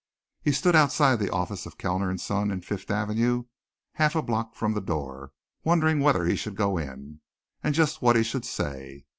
He stood outside the office of Kellner and Son in Fifth Avenue a half block from the door, wondering whether he should go in, and just what he should say.